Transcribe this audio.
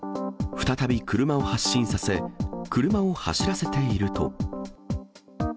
再び車を発進させ、車を走らせていると。